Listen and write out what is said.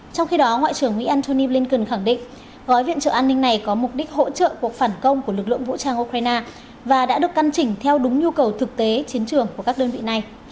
trong khi đó ngoại trưởng mỹ antony blinken khẳng định gói viện trợ an ninh này có mục đích hỗ trợ cuộc phản công của lực lượng vũ trang ukraine và đã được căn chỉnh theo đúng nhu cầu thực tế chiến trường của các đơn vị này